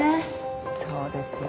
そうですよね。